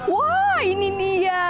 wah ini dia